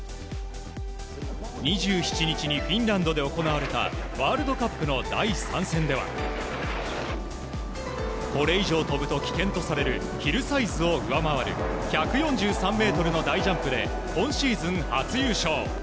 ２７日にフィンランドで行われたワールドカップの第３戦ではこれ以上跳ぶと危険とされるヒルサイズを上回る１４３ｍの大ジャンプで今シーズン初優勝。